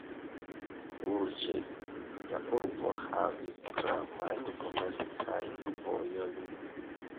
Urĝe la urbo havis gravajn komercajn vojojn.